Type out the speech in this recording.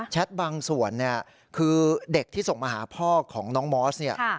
แชทบางส่วนคือเด็กที่ส่งมาหาพ่อของน้องมอส